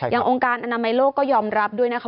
องค์การอนามัยโลกก็ยอมรับด้วยนะคะ